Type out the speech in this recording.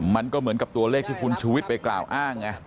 มันก็เหมือนกับตัวเลขที่คุณชูวิทย์ไปกล่าวอ้างไง